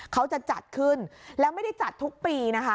เขาจะจัดขึ้นแล้วไม่ได้จัดทุกปีนะคะ